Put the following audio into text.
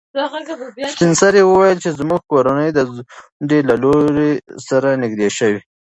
سپین سرې وویل چې زموږ کورنۍ د ځونډي له لور سره نږدې شوه.